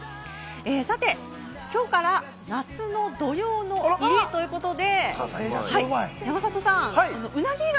さて、きょうから夏の土用の入りということで。